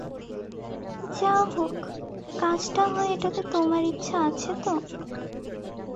যা হোক, কাজটা হয় এটাতে তোমার ইচ্ছা আছে তো?